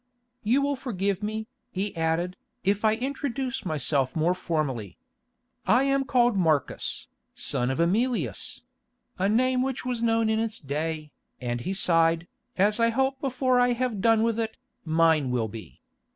"You will forgive me," he added, "if I introduce myself more formally. I am called Marcus, the son of Emilius—a name which was known in its day," and he sighed, "as I hope before I have done with it, mine will be.